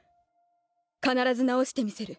必ず直してみせる。